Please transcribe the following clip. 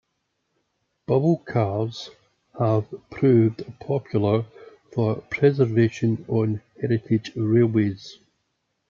"Bubble Cars" have proved popular for preservation on heritage railways.